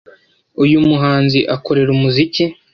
uyu muhanzi akorera umuziki